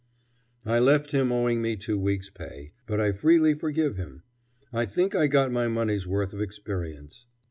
I left him owing me two weeks' pay, but I freely forgive him. I think I got my money's worth of experience.